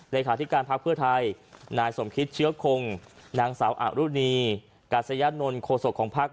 เลขาธิการพักเพื่อไทยนายสมคิตเชื้อคงนางสาวอรุณีกัศยานนท์โคศกของพัก